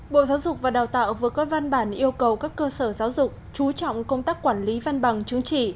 bộ giáo dục và đào tạo vừa có văn bản yêu cầu các cơ sở giáo dục chú trọng công tác quản lý văn bằng chứng chỉ